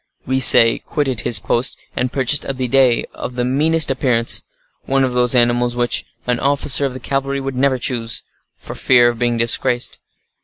we say, quitted his post and purchased a bidet of the meanest appearance,—one of those animals which an officer of the cavalry would never choose, for fear of being disgraced.